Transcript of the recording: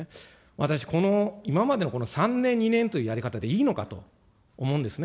私、今までの３年、２年というやり方でいいのかと思うんですね。